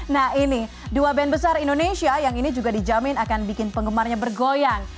nah ini dua band besar indonesia yang ini juga dijamin akan bikin penggemarnya bergoyang